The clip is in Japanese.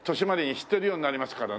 知ってるようになりますからね。